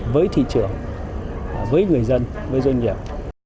với thị trường với người dân với doanh nghiệp